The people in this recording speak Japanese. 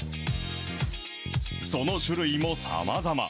その種類もさまざま。